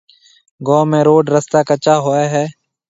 گوم ۾ روڊ رستا ڪَچا هوئي هيَ۔